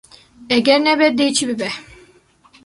Eger nebe dê çi bibe?